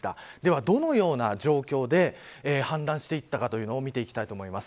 では、どのような状況で氾濫していたかというのを見ていきたいと思います。